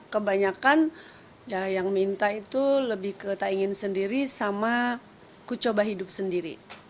kebanyakan yang minta itu lebih ke tak ingin sendiri sama ku coba hidup sendiri